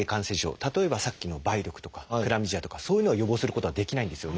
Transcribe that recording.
例えばさっきの梅毒とかクラミジアとかそういうのを予防することはできないんですよね。